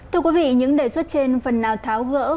thưa quý vị những đề xuất trên phần nào tháo gỡ